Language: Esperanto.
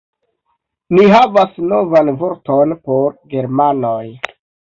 Ni havas novan vorton por germanoj